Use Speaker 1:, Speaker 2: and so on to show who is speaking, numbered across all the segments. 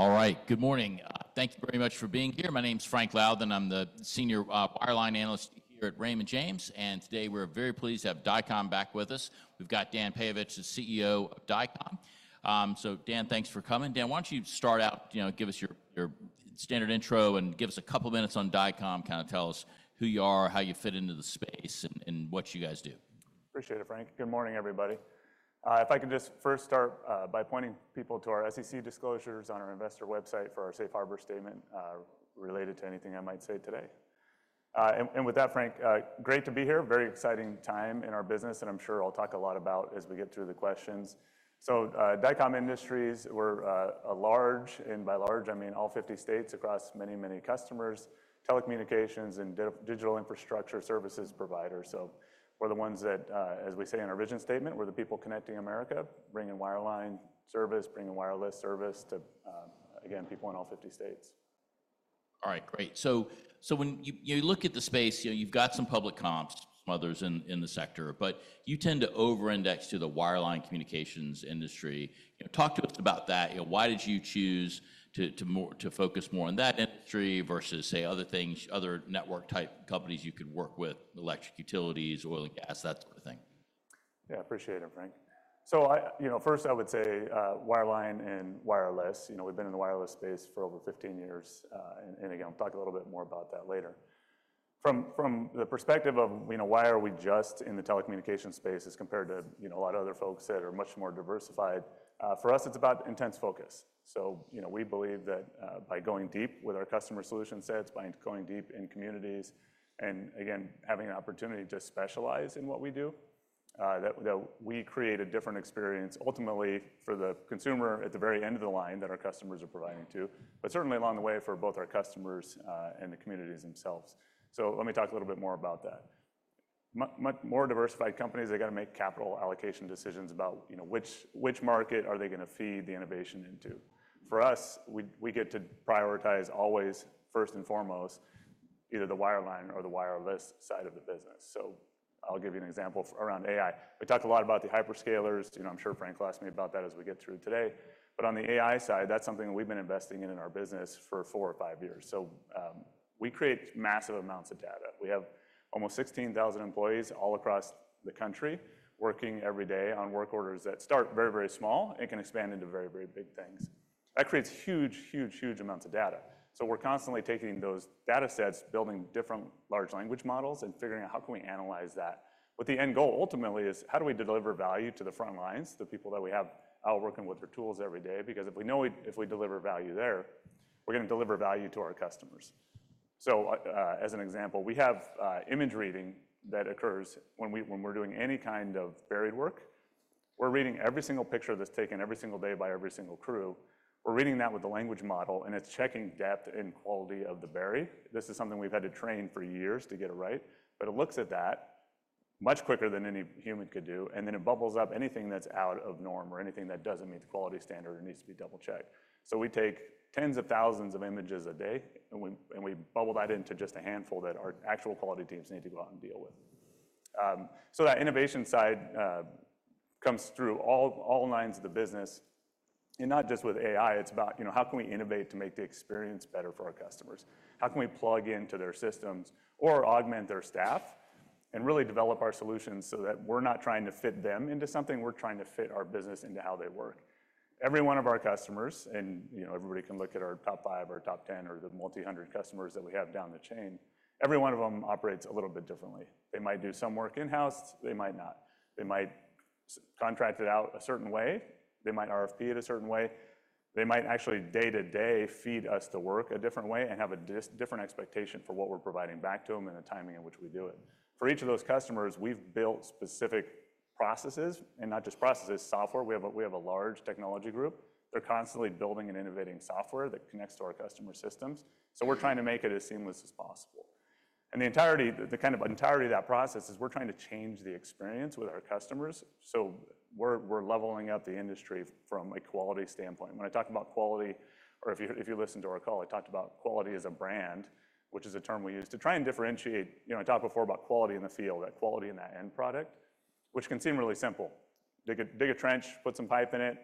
Speaker 1: All right, good morning. Thank you very much for being here. My name's Frank Louthan. I'm the Senior Wireline Analyst here at Raymond James. And today we're very pleased to have Dycom back with us. We've got Dan Peyovich, the CEO of Dycom. So Dan, thanks for coming. Dan, why don't you start out, you know, give us your standard intro and give us a couple of minutes on Dycom, kind of tell us who you are, how you fit into the space, and what you guys do.
Speaker 2: Appreciate it, Frank. Good morning, everybody. If I could just first start by pointing people to our SEC disclosures on our investor website for our safe harbor statement related to anything I might say today, and with that, Frank, great to be here. Very exciting time in our business, and I'm sure I'll talk a lot about as we get through the questions, so Dycom Industries, we're a large - and by large, I mean all 50 states across many, many customers, telecommunications and digital infrastructure services providers. So we're the ones that, as we say in our vision statement, we're the people connecting America, bringing wireline service, bringing wireless service to, again, people in all 50 states.
Speaker 1: All right, great. So when you look at the space, you've got some public comps, some others in the sector, but you tend to over-index to the wireline communications industry. Talk to us about that. Why did you choose to focus more on that industry versus, say, other things, other network-type companies you could work with, electric utilities, oil and gas, that sort of thing?
Speaker 2: Yeah, I appreciate it, Frank. So first I would say wireline and wireless. We've been in the wireless space for over 15 years. And again, we'll talk a little bit more about that later. From the perspective of why are we just in the telecommunications space as compared to a lot of other folks that are much more diversified, for us, it's about intense focus. So we believe that by going deep with our customer solution sets, by going deep in communities, and again, having an opportunity to specialize in what we do, that we create a different experience ultimately for the consumer at the very end of the line that our customers are providing to, but certainly along the way for both our customers and the communities themselves. So let me talk a little bit more about that. More diversified companies, they've got to make capital allocation decisions about which market are they going to feed the innovation into. For us, we get to prioritize always first and foremost either the wireline or the wireless side of the business. So I'll give you an example around AI. We talk a lot about the hyperscalers. I'm sure Frank will ask me about that as we get through today. But on the AI side, that's something that we've been investing in in our business for four or five years. So we create massive amounts of data. We have almost 16,000 employees all across the country working every day on work orders that start very, very small and can expand into very, very big things. That creates huge, huge, huge amounts of data. So we're constantly taking those data sets, building different large language models and figuring out how can we analyze that. But the end goal ultimately is how do we deliver value to the front lines, the people that we have out working with their tools every day? Because if we know if we deliver value there, we're going to deliver value to our customers. So as an example, we have image reading that occurs when we're doing any kind of buried work. We're reading every single picture that's taken every single day by every single crew. We're reading that with the language model, and it's checking depth and quality of the bury. This is something we've had to train for years to get it right. But it looks at that much quicker than any human could do. And then it bubbles up anything that's out of norm or anything that doesn't meet the quality standard or needs to be double-checked. So we take tens of thousands of images a day, and we bubble that into just a handful that our actual quality teams need to go out and deal with. So that innovation side comes through all lines of the business. And not just with AI, it's about how can we innovate to make the experience better for our customers? How can we plug into their systems or augment their staff and really develop our solutions so that we're not trying to fit them into something, we're trying to fit our business into how they work? Every one of our customers, and everybody can look at our top five or top ten or the multi-hundred customers that we have down the chain, every one of them operates a little bit differently. They might do some work in-house. They might not. They might contract it out a certain way. They might RFP it a certain way. They might actually day-to-day feed us to work a different way and have a different expectation for what we're providing back to them and the timing in which we do it. For each of those customers, we've built specific processes, and not just processes, software. We have a large technology group. They're constantly building and innovating software that connects to our customer systems. So we're trying to make it as seamless as possible, and the kind of entirety of that process is we're trying to change the experience with our customers. We're leveling up the industry from a quality standpoint. When I talk about quality, or if you listen to our call, I talked about quality as a brand, which is a term we use to try and differentiate, you know, I talked before about quality in the field, that quality in that end product, which can seem really simple. Dig a trench, put some pipe in it,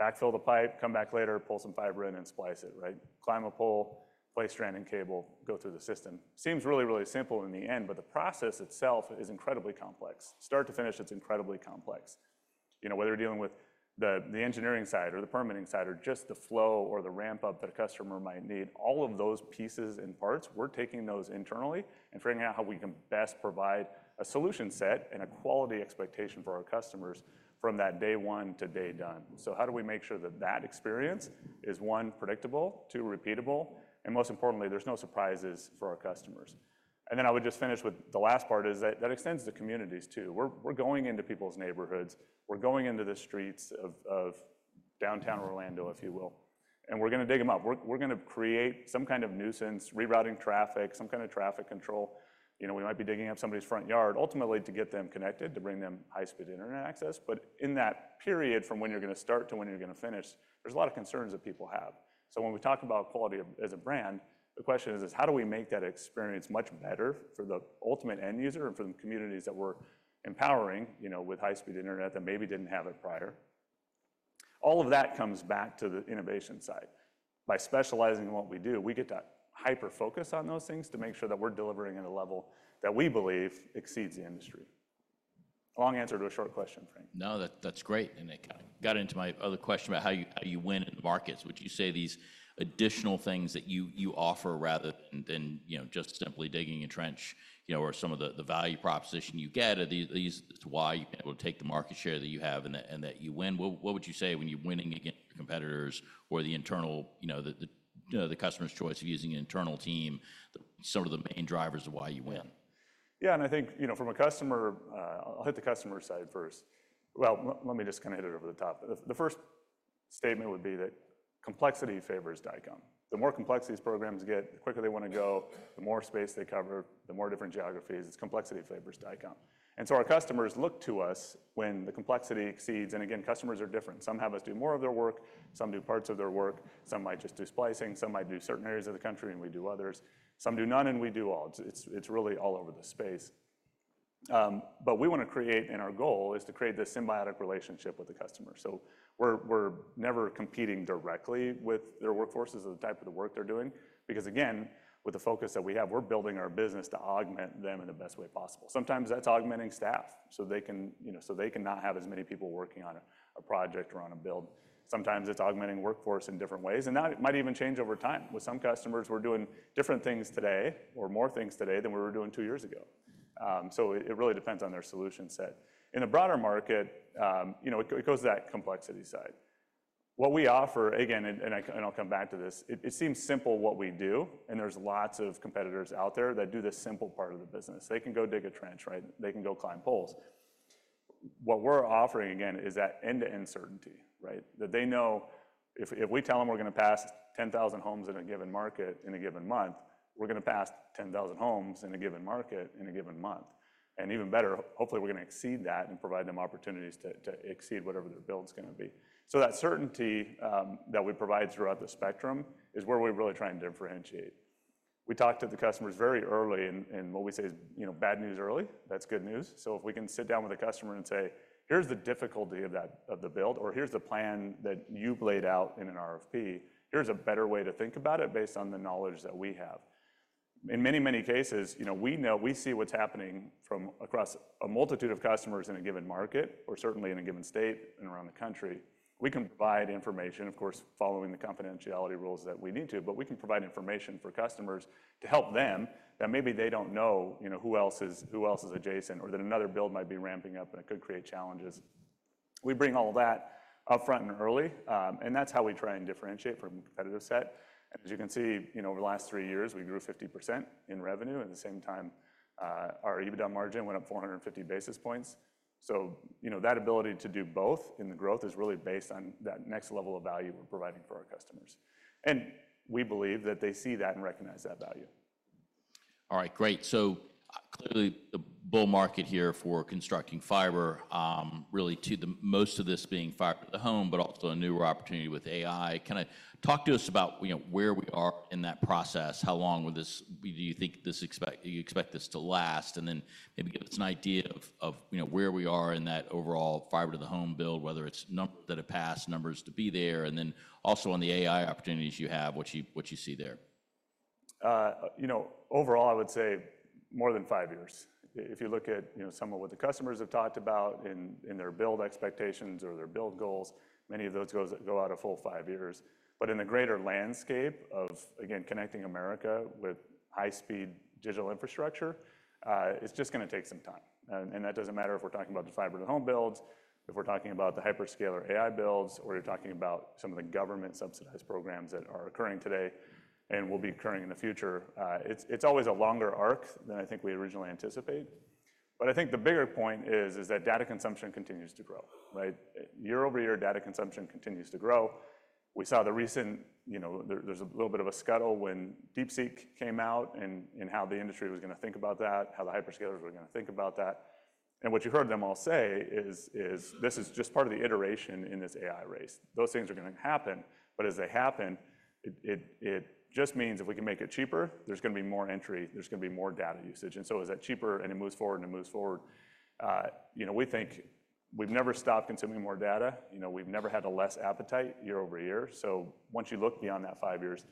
Speaker 2: backfill the pipe, come back later, pull some fiber in and splice it, right? Climb a pole, place stranding cable, go through the system. Seems really, really simple in the end, but the process itself is incredibly complex. Start to finish, it's incredibly complex. You know, whether you're dealing with the engineering side or the permitting side or just the flow or the ramp-up that a customer might need, all of those pieces and parts, we're taking those internally and figuring out how we can best provide a solution set and a quality expectation for our customers from that day one to day done. So how do we make sure that that experience is, one, predictable, two, repeatable, and most importantly, there's no surprises for our customers? And then I would just finish with the last part is that extends to communities too. We're going into people's neighborhoods. We're going into the streets of downtown Orlando, if you will. And we're going to dig them up. We're going to create some kind of nuisance, rerouting traffic, some kind of traffic control. You know, we might be digging up somebody's front yard, ultimately to get them connected, to bring them high-speed internet access. But in that period from when you're going to start to when you're going to finish, there's a lot of concerns that people have. So when we talk about quality as a brand, the question is, how do we make that experience much better for the ultimate end user and for the communities that we're empowering with high-speed internet that maybe didn't have it prior? All of that comes back to the innovation side. By specializing in what we do, we get to hyper-focus on those things to make sure that we're delivering at a level that we believe exceeds the industry. Long answer to a short question, Frank.
Speaker 1: No, that's great, and it got into my other question about how you win in the markets. Would you say these additional things that you offer rather than just simply digging a trench or some of the value proposition you get are these why you're able to take the market share that you have and that you win? What would you say when you're winning against your competitors or the internal, you know, the customer's choice of using an internal team, some of the main drivers of why you win?
Speaker 2: Yeah, and I think, you know, from a customer, I'll hit the customer side first. Well, let me just kind of hit it over the top. The first statement would be that complexity favors Dycom. The more complexity these programs get, the quicker they want to go, the more space they cover, the more different geographies, it's complexity favors Dycom. And so our customers look to us when the complexity exceeds. And again, customers are different. Some have us do more of their work, some do parts of their work, some might just do splicing, some might do certain areas of the country and we do others. Some do none and we do all. It's really all over the space. But we want to create, and our goal is to create this symbiotic relationship with the customer. So we're never competing directly with their workforces or the type of the work they're doing. Because again, with the focus that we have, we're building our business to augment them in the best way possible. Sometimes that's augmenting staff so they can not have as many people working on a project or on a build. Sometimes it's augmenting workforce in different ways. And that might even change over time. With some customers, we're doing different things today or more things today than we were doing two years ago. So it really depends on their solution set. In a broader market, you know, it goes to that complexity side. What we offer, again, and I'll come back to this, it seems simple what we do, and there's lots of competitors out there that do the simple part of the business. They can go dig a trench, right? They can go climb poles. What we're offering, again, is that end-to-end certainty, right? That they know if we tell them we're going to pass 10,000 homes in a given market in a given market in a given month, we're going to pass 10,000 homes in a given market in a given month, and even better, hopefully we're going to exceed that and provide them opportunities to exceed whatever their build's going to be, so that certainty that we provide throughout the spectrum is where we're really trying to differentiate. We talk to the customers very early, and what we say is, you know, bad news early, that's good news, so if we can sit down with a customer and say, here's the difficulty of the build, or here's the plan that you've laid out in an RFP, here's a better way to think about it based on the knowledge that we have. In many, many cases, you know, we see what's happening from across a multitude of customers in a given market or certainly in a given state and around the country. We can provide information, of course, following the confidentiality rules that we need to, but we can provide information for customers to help them that maybe they don't know who else is adjacent or that another build might be ramping up and it could create challenges. We bring all that upfront and early, and that's how we try and differentiate from a competitive set, and as you can see, you know, over the last three years, we grew 50% in revenue. At the same time, our EBITDA margin went up 450 basis points, so that ability to do both in the growth is really based on that next level of value we're providing for our customers. And we believe that they see that and recognize that value.
Speaker 1: All right, great. So clearly the bull market here for constructing fiber, really with most of this being fiber to the home, but also a newer opportunity with AI. Kind of talk to us about where we are in that process. How long do you think you expect this to last? And then maybe give us an idea of where we are in that overall fiber to the home build, whether it's numbers that have passed, numbers to be passed, and then also on the AI opportunities you have, what you see there?
Speaker 2: You know, overall, I would say more than five years. If you look at some of what the customers have talked about in their build expectations or their build goals, many of those go out of full five years. But in the greater landscape of, again, connecting America with high-speed digital infrastructure, it's just going to take some time. And that doesn't matter if we're talking about the fiber to the home builds, if we're talking about the hyperscaler AI builds, or you're talking about some of the government-subsidized programs that are occurring today and will be occurring in the future. It's always a longer arc than I think we originally anticipated. But I think the bigger point is that data consumption continues to grow, right? year-over-year, data consumption continues to grow. We saw the recent, you know, there's a little bit of a scuttlebutt when DeepSeek came out and how the industry was going to think about that, how the hyperscalers were going to think about that. And what you heard them all say is this is just part of the iteration in this AI race. Those things are going to happen, but as they happen, it just means if we can make it cheaper, there's going to be more entry, there's going to be more data usage. And so as that cheaper and it moves forward and it moves forward, you know, we think we've never stopped consuming more data. You know, we've never had a less appetite year-over-year. So once you look beyond that five years,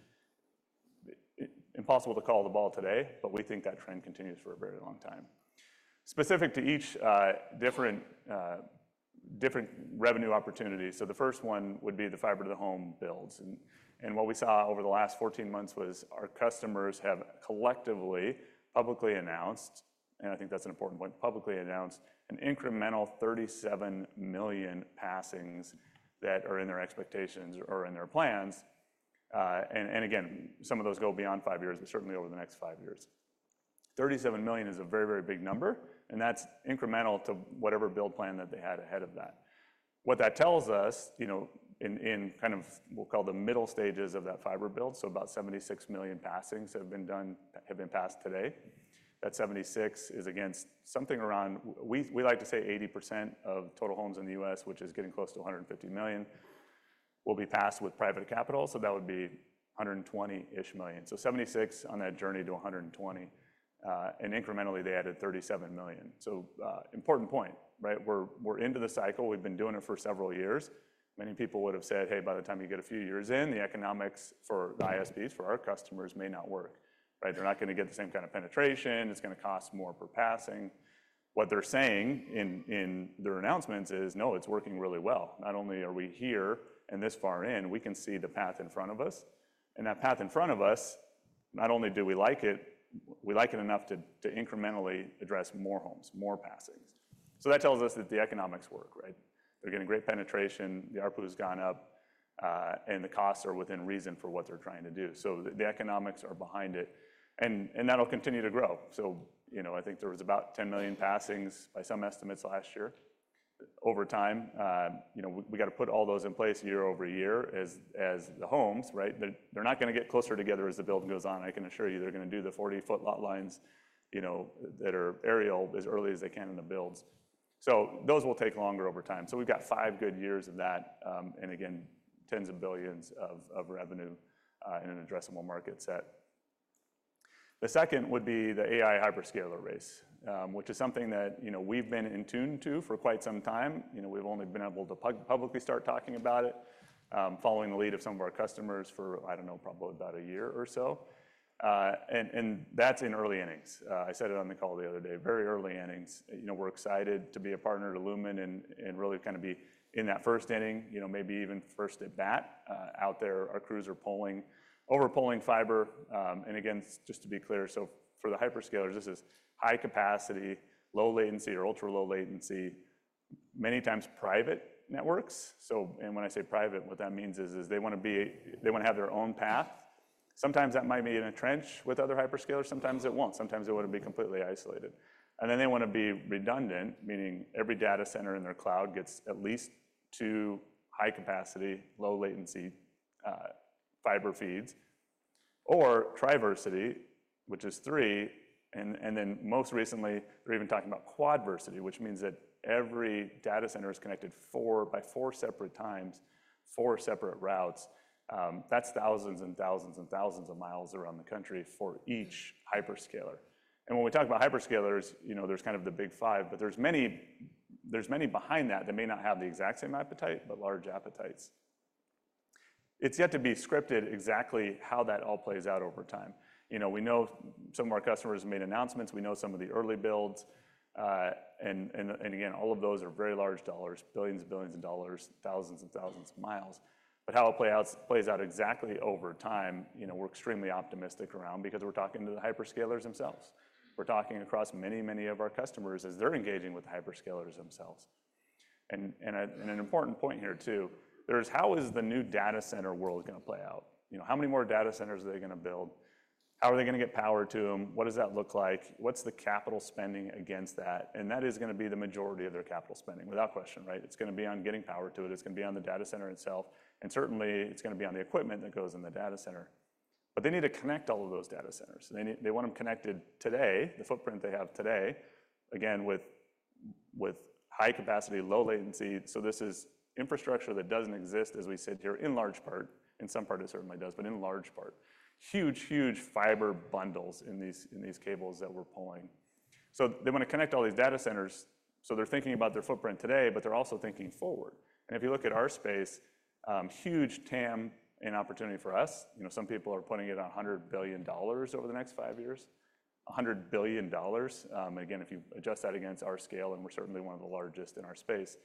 Speaker 2: impossible to call the ball today, but we think that trend continues for a very long time. Specific to each different revenue opportunity. So the first one would be the fiber to the home builds. And what we saw over the last 14 months was our customers have collectively publicly announced, and I think that's an important point, publicly announced an incremental 37 million passings that are in their expectations or in their plans. And again, some of those go beyond five years, but certainly over the next five years. 37 million is a very, very big number, and that's incremental to whatever build plan that they had ahead of that. What that tells us, you know, in kind of what we'll call the middle stages of that fiber build, so about 76 million passings have been passed today. That 76 is against something around, we like to say, 80% of total homes in the US, which is getting close to 150 million, will be passed with private capital. So that would be 120-ish million. So 76 on that journey to 120. And incrementally, they added 37 million. So important point, right? We're into the cycle. We've been doing it for several years. Many people would have said, hey, by the time you get a few years in, the economics for the ISPs for our customers may not work, right? They're not going to get the same kind of penetration. It's going to cost more per passing. What they're saying in their announcements is, no, it's working really well. Not only are we here and this far in, we can see the path in front of us. That path in front of us, not only do we like it, we like it enough to incrementally address more homes, more passings. So that tells us that the economics work, right? They're getting great penetration. The ARPU has gone up, and the costs are within reason for what they're trying to do. So the economics are behind it, and that'll continue to grow. So, you know, I think there was about 10 million passings by some estimates last year. Over time, you know, we got to put all those in place year-over-year as the homes, right? They're not going to get closer together as the build goes on. I can assure you they're going to do the 40-foot lot lines, you know, that are aerial as early as they can in the builds. So those will take longer over time. We've got five good years of that and again, tens of billions of revenue in an addressable market set. The second would be the AI hyperscaler race, which is something that, you know, we've been in tune to for quite some time. You know, we've only been able to publicly start talking about it following the lead of some of our customers for, I don't know, probably about a year or so. That's in early innings. I said it on the call the other day, very early innings. You know, we're excited to be a partner to Lumen and really kind of be in that first inning, you know, maybe even first at bat. Out there, our crews are pulling, overpulling fiber. Again, just to be clear, so for the hyperscalers, this is high capacity, low latency or ultra low latency, many times private networks. So, and when I say private, what that means is they want to have their own path. Sometimes that might be in a trench with other hyperscalers. Sometimes it won't. Sometimes it wouldn't be completely isolated. And then they want to be redundant, meaning every data center in their cloud gets at least two high capacity, low latency fiber feeds or triversity, which is three. And then most recently, they're even talking about quadversity, which means that every data center is connected by four separate times, four separate routes. That's thousands and thousands and thousands of miles around the country for each hyperscaler. And when we talk about hyperscalers, you know, there's kind of the big five, but there's many behind that that may not have the exact same appetite, but large appetites. It's yet to be scripted exactly how that all plays out over time. You know, we know some of our customers have made announcements. We know some of the early builds. And again, all of those are very large dollars, billions and billions of dollars, thousands and thousands of miles. But how it plays out exactly over time, you know, we're extremely optimistic around because we're talking to the hyperscalers themselves. We're talking across many, many of our customers as they're engaging with the hyperscalers themselves. And an important point here too, there's how is the new data center world going to play out? You know, how many more data centers are they going to build? How are they going to get power to them? What does that look like? What's the capital spending against that? And that is going to be the majority of their capital spending without question, right? It's going to be on getting power to it. It's going to be on the data center itself. And certainly, it's going to be on the equipment that goes in the data center. But they need to connect all of those data centers. They want them connected today, the footprint they have today, again, with high capacity, low latency. So this is infrastructure that doesn't exist, as we said here, in large part. In some part, it certainly does, but in large part, huge, huge fiber bundles in these cables that we're pulling. So they want to connect all these data centers. So they're thinking about their footprint today, but they're also thinking forward. And if you look at our space, huge TAM and opportunity for us. You know, some people are putting it on $100 billion over the next five years, $100 billion. And again, if you adjust that against our scale, and we're certainly one of the largest in our space,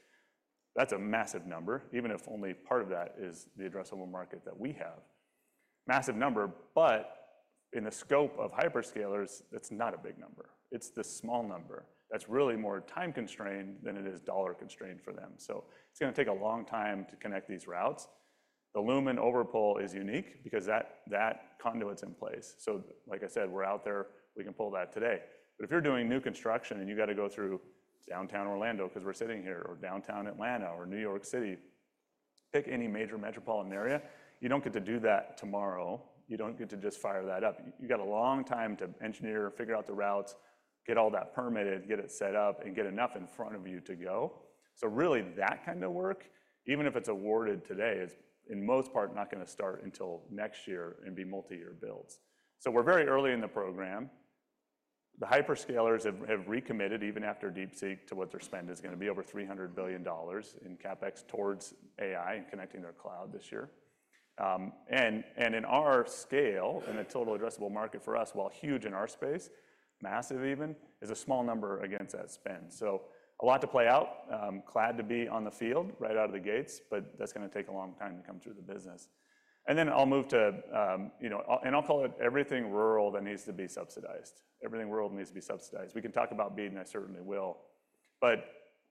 Speaker 2: that's a massive number, even if only part of that is the addressable market that we have. Massive number, but in the scope of hyperscalers, that's not a big number. It's the small number that's really more time constrained than it is dollar constrained for them. So it's going to take a long time to connect these routes. The Lumen overpull is unique because that conduit's in place. So like I said, we're out there. We can pull that today. But if you're doing new construction and you got to go through downtown Orlando because we're sitting here or downtown Atlanta or New York City, pick any major metropolitan area. You don't get to do that tomorrow. You don't get to just fire that up. You got a long time to engineer, figure out the routes, get all that permitted, get it set up, and get enough in front of you to go. So really that kind of work, even if it's awarded today, is in most part not going to start until next year and be multi-year builds. So we're very early in the program. The hyperscalers have recommitted even after DeepSeek to what their spend is going to be over $300 billion in CapEx towards AI and connecting their cloud this year. And in our scale and a total addressable market for us, while huge in our space, massive even, is a small number against that spend. So a lot to play out. Glad to be on the field right out of the gates, but that's going to take a long time to come through the business. I'll move to, you know, and I'll call it everything rural that needs to be subsidized. Everything rural needs to be subsidized. We can talk about BEAD, and I certainly will.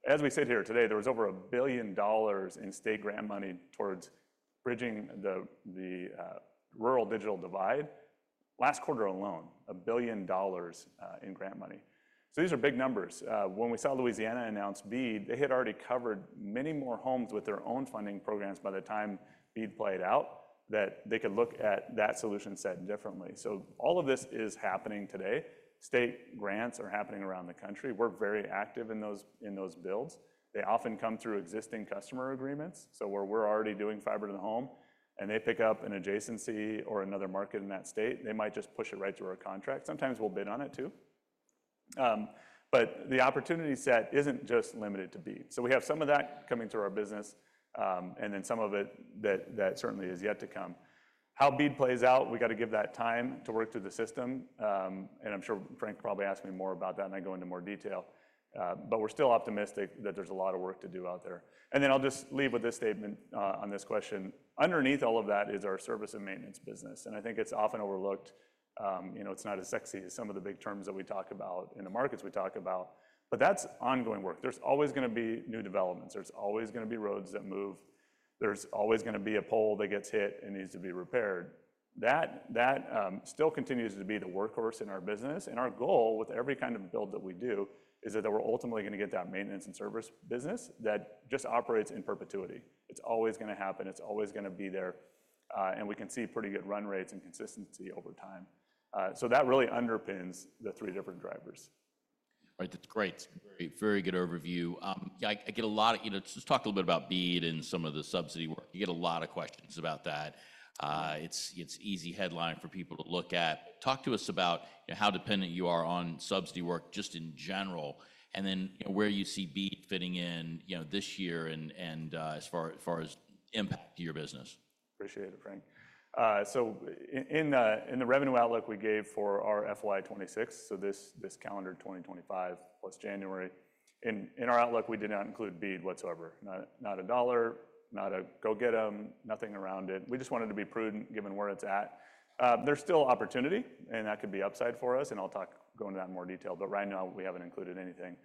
Speaker 2: As we sit here today, there was over $1 billion in state grant money towards bridging the rural digital divide. Last quarter alone, $1 billion in grant money. These are big numbers. When we saw Louisiana announce BEAD, they had already covered many more homes with their own funding programs by the time BEAD played out, that they could look at that solution set differently. All of this is happening today. State grants are happening around the country. We're very active in those builds. They often come through existing customer agreements. So where we're already doing fiber to the home, and they pick up an adjacency or another market in that state, they might just push it right through our contract. Sometimes we'll bid on it too. But the opportunity set isn't just limited to BEAD. So we have some of that coming through our business, and then some of it that certainly is yet to come. How BEAD plays out, we got to give that time to work through the system. And I'm sure Frank probably asked me more about that, and I go into more detail. But we're still optimistic that there's a lot of work to do out there. And then I'll just leave with this statement on this question. Underneath all of that is our service and maintenance business. And I think it's often overlooked. You know, it's not as sexy as some of the big terms that we talk about in the markets we talk about, but that's ongoing work. There's always going to be new developments. There's always going to be roads that move. There's always going to be a pole that gets hit and needs to be repaired. That still continues to be the workhorse in our business. And our goal with every kind of build that we do is that we're ultimately going to get that maintenance and service business that just operates in perpetuity. It's always going to happen. It's always going to be there. And we can see pretty good run rates and consistency over time. So that really underpins the three different drivers.
Speaker 1: All right. That's great. Very, very good overview. I get a lot of, you know, just talk a little bit about BEAD and some of the subsidy work. You get a lot of questions about that. It's an easy headline for people to look at. Talk to us about how dependent you are on subsidy work just in general, and then where you see BEAD fitting in, you know, this year and as far as impact to your business.
Speaker 2: Appreciate it, Frank. In the revenue outlook we gave for our FY26, so this calendar 2025 plus January, in our outlook, we did not include BEAD whatsoever. Not a dollar, not a go get them, nothing around it. We just wanted to be prudent given where it's at. There's still opportunity, and that could be upside for us, and I'll talk going into that in more detail, but right now we haven't included anything.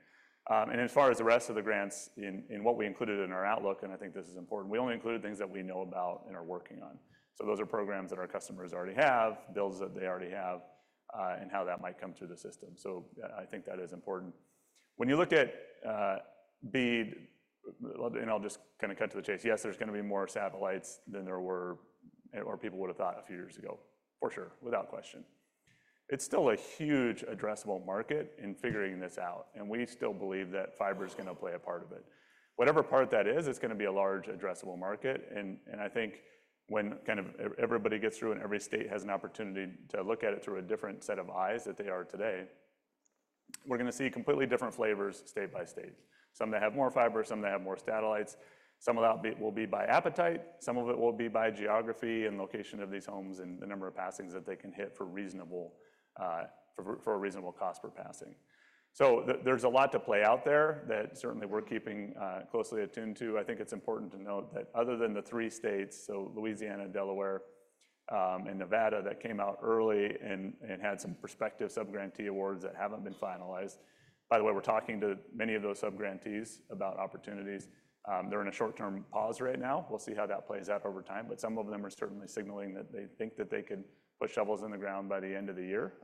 Speaker 2: As far as the rest of the grants and what we included in our outlook, I think this is important. We only include things that we know about and are working on. Those are programs that our customers already have, builds that they already have, and how that might come through the system. I think that is important. When you look at BEAD, and I'll just kind of cut to the chase, yes, there's going to be more satellites than there were or people would have thought a few years ago, for sure, without question. It's still a huge addressable market in figuring this out, and we still believe that fiber is going to play a part of it. Whatever part that is, it's going to be a large addressable market, and I think when kind of everybody gets through and every state has an opportunity to look at it through a different set of eyes that they are today, we're going to see completely different flavors state by state. Some that have more fiber, some that have more satellites. Some of that will be by appetite. Some of it will be by geography and location of these homes and the number of passings that they can hit for a reasonable cost per passing, so there's a lot to play out there that certainly we're keeping closely attuned to. I think it's important to note that other than the three states, so Louisiana, Delaware, and Nevada that came out early and had some prospective subgrantee awards that haven't been finalized. By the way, we're talking to many of those subgrantees about opportunities. They're in a short-term pause right now. We'll see how that plays out over time, but some of them are certainly signaling that they think that they can put shovels in the ground by the end of the year,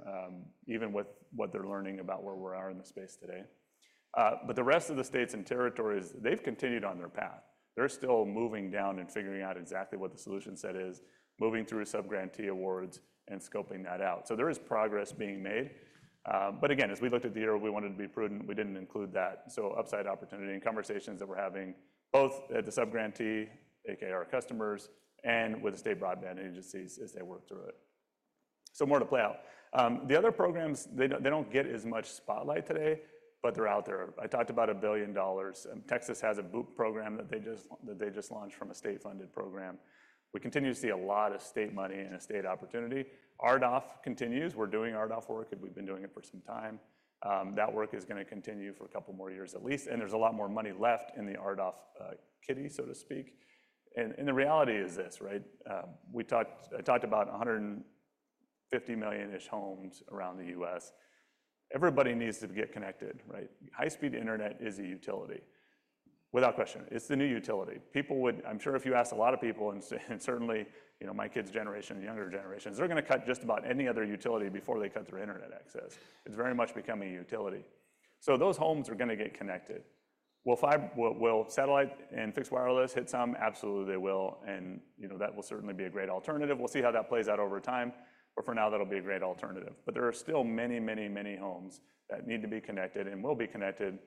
Speaker 2: even with what they're learning about where we're at in the space today, but the rest of the states and territories, they've continued on their path. They're still moving down and figuring out exactly what the solution set is, moving through subgrantee awards and scoping that out. So there is progress being made. But again, as we looked at the year, we wanted to be prudent. We didn't include that. So upside opportunity and conversations that we're having both at the subgrantee, a.k.a. our customers, and with the state broadband agencies as they work through it. So more to play out. The other programs, they don't get as much spotlight today, but they're out there. I talked about $1 billion. Texas has a BOOT program that they just launched from a state-funded program. We continue to see a lot of state money and a state opportunity. RDOF continues. We're doing RDOF work, and we've been doing it for some time. That work is going to continue for a couple more years at least. There's a lot more money left in the RDOF kitty, so to speak. The reality is this, right? I talked about 150 million-ish homes around the U.S. Everybody needs to get connected, right? High-speed internet is a utility, without question. It's the new utility. People would, I'm sure if you ask a lot of people, and certainly, you know, my kids' generation, younger generations, they're going to cut just about any other utility before they cut their internet access. It's very much becoming a utility. Those homes are going to get connected. Will satellite and fixed wireless hit some? Absolutely, they will. And you know, that will certainly be a great alternative. We'll see how that plays out over time. For now, that'll be a great alternative. But there are still many, many, many homes that need to be connected and will be connected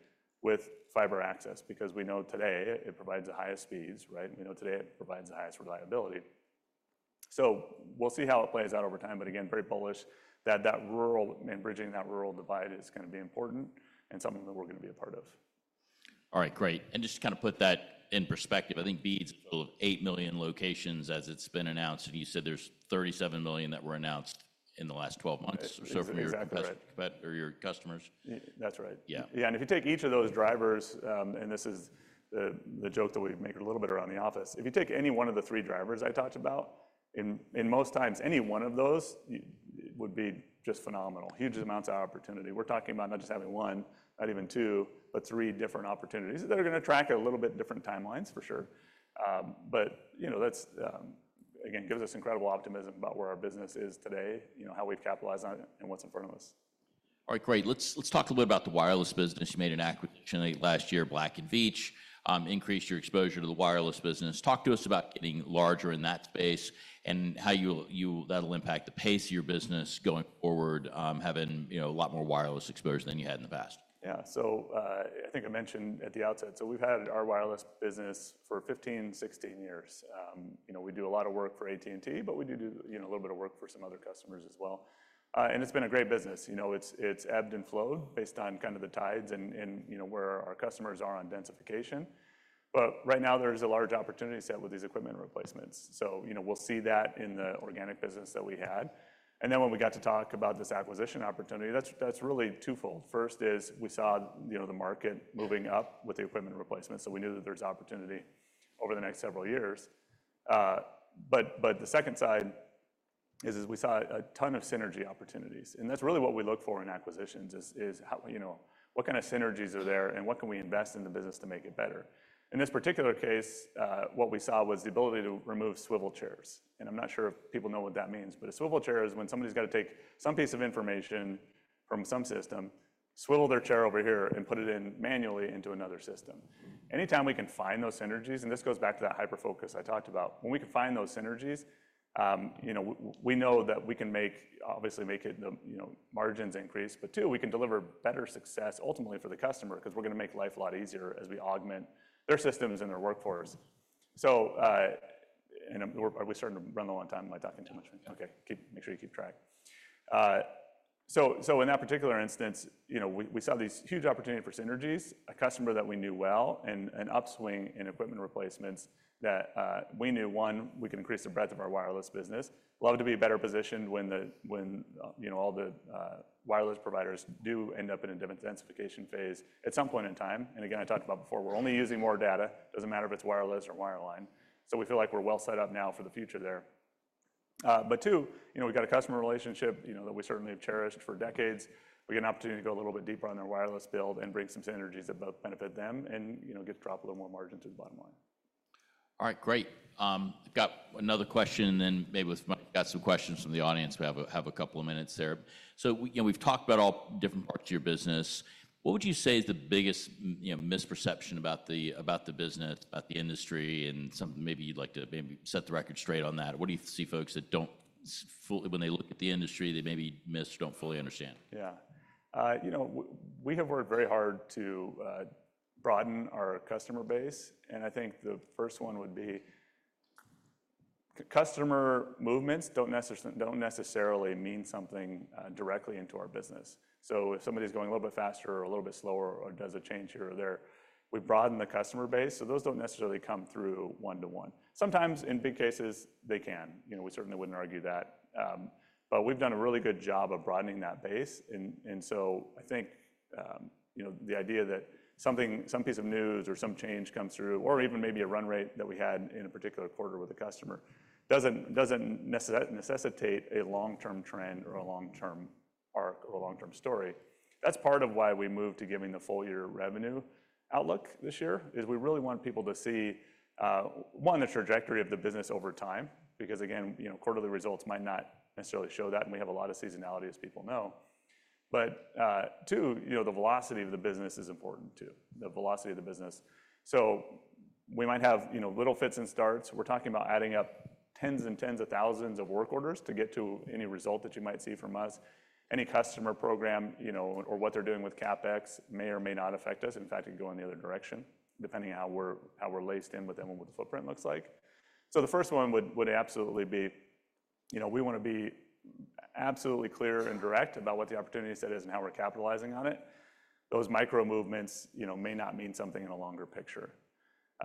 Speaker 2: with fiber access because we know today it provides the highest speeds, right? We know today it provides the highest reliability. So we'll see how it plays out over time, but again, very bullish that that rural and bridging that rural divide is going to be important and something that we're going to be a part of.
Speaker 1: All right, great. And just to kind of put that in perspective, I think BEAD's a total of eight million locations as it's been announced. And you said there's 37 million that were announced in the last 12 months. So from your customers.
Speaker 2: That's right. Yeah. Yeah. And if you take each of those drivers, and this is the joke that we make a little bit around the office, if you take any one of the three drivers I talked about, in most times, any one of those would be just phenomenal. Huge amounts of opportunity. We're talking about not just having one, not even two, but three different opportunities that are going to attract a little bit different timelines, for sure. But you know, that's, again, gives us incredible optimism about where our business is today, you know, how we've capitalized on it and what's in front of us.
Speaker 1: All right, great. Let's talk a little bit about the wireless business. You made an acquisition late last year, Black & Veatch, increased your exposure to the wireless business. Talk to us about getting larger in that space and how that'll impact the pace of your business going forward, having, you know, a lot more wireless exposure than you had in the past.
Speaker 2: Yeah. So I think I mentioned at the outset, so we've had our wireless business for 15, 16 years. You know, we do a lot of work for AT&T, but we do do, you know, a little bit of work for some other customers as well. And it's been a great business. You know, it's ebbed and flowed based on kind of the tides and, you know, where our customers are on densification. But right now, there's a large opportunity set with these equipment replacements. So, you know, we'll see that in the organic business that we had. And then when we got to talk about this acquisition opportunity, that's really twofold. First is we saw, you know, the market moving up with the equipment replacement, so we knew that there's opportunity over the next several years. But the second side is we saw a ton of synergy opportunities. That's really what we look for in acquisitions is, you know, what kind of synergies are there and what can we invest in the business to make it better. In this particular case, what we saw was the ability to remove swivel chairs. And I'm not sure if people know what that means, but a swivel chair is when somebody's got to take some piece of information from some system, swivel their chair over here and put it in manually into another system. Anytime we can find those synergies, and this goes back to that hyperfocus I talked about, when we can find those synergies, you know, we know that we can make, obviously make it, you know, margins increase, but too, we can deliver better success ultimately for the customer because we're going to make life a lot easier as we augment their systems and their workforce. So, and we're starting to run a long time. Am I talking too much? Okay. Make sure you keep track. So in that particular instance, you know, we saw these huge opportunity for synergies, a customer that we knew well, and an upswing in equipment replacements that we knew, one, we can increase the breadth of our wireless business. Love to be better positioned when, you know, all the wireless providers do end up in a densification phase at some point in time. And again, I talked about before, we're only using more data. It doesn't matter if it's wireless or wireline. So we feel like we're well set up now for the future there. But two, you know, we've got a customer relationship, you know, that we certainly have cherished for decades. We get an opportunity to go a little bit deeper on their wireless build and bring some synergies that both benefit them and, you know, get to drop a little more margin to the bottom line.
Speaker 1: All right, great. I've got another question, and then maybe we've got some questions from the audience. We have a couple of minutes there. So, you know, we've talked about all different parts of your business. What would you say is the biggest misperception about the business, about the industry, and something maybe you'd like to maybe set the record straight on that? What do you see folks that don't fully, when they look at the industry, they maybe miss or don't fully understand?
Speaker 2: Yeah. You know, we have worked very hard to broaden our customer base, and I think the first one would be customer movements don't necessarily mean something directly into our business, so if somebody's going a little bit faster or a little bit slower or does a change here or there, we broaden the customer base, so those don't necessarily come through one-to-one. Sometimes in big cases, they can. You know, we certainly wouldn't argue that, but we've done a really good job of broadening that base, and so I think, you know, the idea that something, some piece of news or some change comes through, or even maybe a run rate that we had in a particular quarter with a customer doesn't necessitate a long-term trend or a long-term arc or a long-term story. That's part of why we moved to giving the full-year revenue outlook this year is we really want people to see, one, the trajectory of the business over time because, again, you know, quarterly results might not necessarily show that, and we have a lot of seasonality, as people know. But two, you know, the velocity of the business is important too, the velocity of the business. So we might have, you know, little fits and starts. We're talking about adding up tens and tens of thousands of work orders to get to any result that you might see from us. Any customer program, you know, or what they're doing with CapEx may or may not affect us. In fact, it can go in the other direction depending on how we're laced in with them and what the footprint looks like. So the first one would absolutely be, you know, we want to be absolutely clear and direct about what the opportunity set is and how we're capitalizing on it. Those micro movements, you know, may not mean something in a longer picture.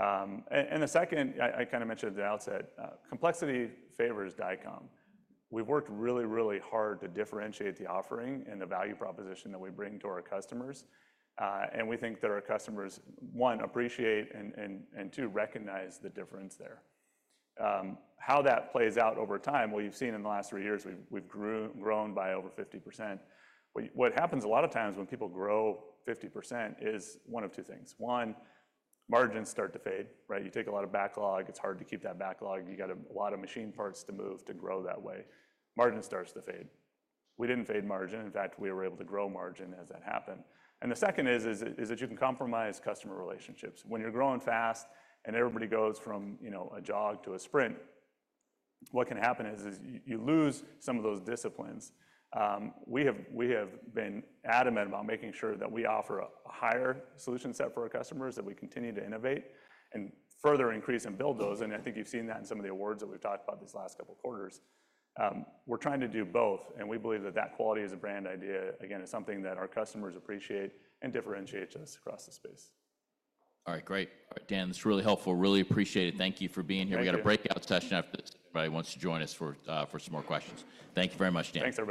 Speaker 2: And the second, I kind of mentioned at the outset, complexity favors Dycom. We've worked really, really hard to differentiate the offering and the value proposition that we bring to our customers. And we think that our customers, one, appreciate and, two, recognize the difference there. How that plays out over time, well, you've seen in the last three years, we've grown by over 50%. What happens a lot of times when people grow 50% is one of two things. One, margins start to fade, right? You take a lot of backlog. It's hard to keep that backlog. You got a lot of machine parts to move to grow that way. Margin starts to fade. We didn't fade margin. In fact, we were able to grow margin as that happened, and the second is that you can compromise customer relationships. When you're growing fast and everybody goes from, you know, a jog to a sprint, what can happen is you lose some of those disciplines. We have been adamant about making sure that we offer a higher solution set for our customers, that we continue to innovate and further increase and build those, and I think you've seen that in some of the awards that we've talked about these last couple of quarters. We're trying to do both, and we believe that that quality as a brand idea, again, is something that our customers appreciate and differentiates us across the space.
Speaker 1: All right, great. All right, Dan, this is really helpful. Really appreciate it. Thank you for being here. We got a breakout session after this if anybody wants to join us for some more questions. Thank you very much, Dan.